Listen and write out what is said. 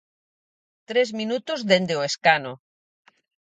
Tres minutos dende o escano.